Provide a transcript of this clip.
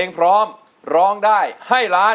เป็นอินโทรเพลงที่๔มูลค่า๖๐๐๐๐บาท